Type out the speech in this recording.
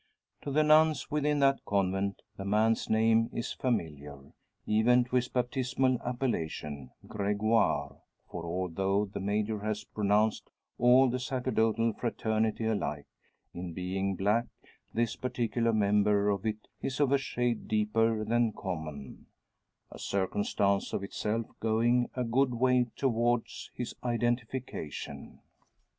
To the nuns within that convent the man's name is familiar even to his baptismal appellation, Gregoire; for although the Major has pronounced all the sacerdotal fraternity alike, in being black, this particular member of it is of a shade deeper than common a circumstance of itself going a good way towards his identification.